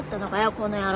この野郎！